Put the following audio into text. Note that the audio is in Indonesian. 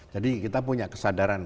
jadi kita punya kesadaran